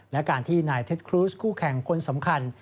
และการที่นายเท็จครูสคู่แข่งคนสำคัญ